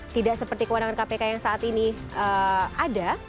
tidak seperti kewenangan kpk yang saat ini ada